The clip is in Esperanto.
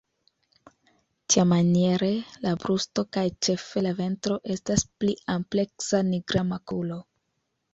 Tiamaniere la brusto kaj ĉefe la ventro estas pli ampleksa nigra makulo.